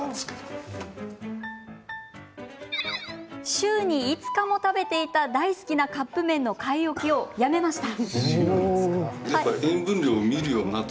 週に５日も食べていた大好きなカップ麺の買い置きをやめました。